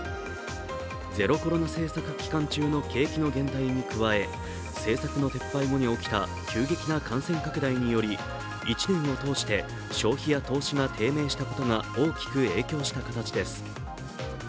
ゼロコロナ政策期間中の景気の減退に加え、政策の撤廃後に起きた急激な感染拡大により１年を通して消費や投資が低迷したことが大きく影響した形です。